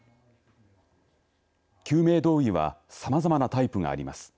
救命胴衣はさまざまなタイプがあります。